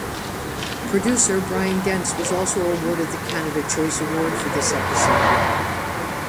Producer Brian Dennis was also awarded the Canada Choice Award for this episode.